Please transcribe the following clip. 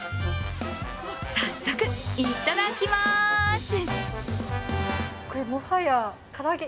早速、いただきまーす！